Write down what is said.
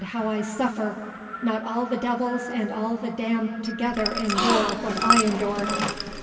how I suffer! Not all the devils and all the damned together endure what I endure!"